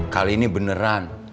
kali ini beneran